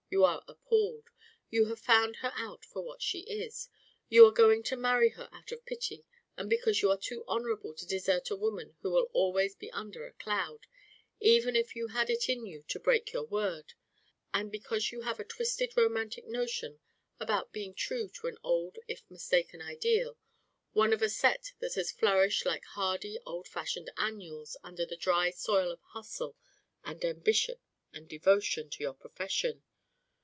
You are appalled. You have found her out for what she is. You are going to marry her out of pity and because you are too honourable to desert a woman who will always be under a cloud, even if you had it in you to break your word; and because you have a twisted romantic notion about being true to an old if mistaken ideal one of a set that has flourished like hardy old fashioned annuals under the dry soil of hustle and ambition and devotion to your profession.